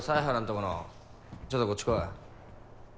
このちょっとこっち来い。